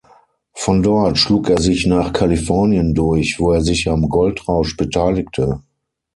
Von dort schlug er sich nach Kalifornien durch, wo er sich am Goldrausch beteiligte.